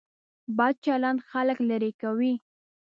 بد چلند خلک لرې کوي.